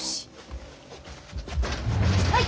はい。